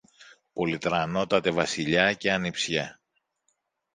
«Πολυτρανότατε Βασιλιά και ανεψιέ.